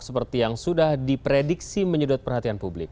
seperti yang sudah diprediksi menyedot perhatian publik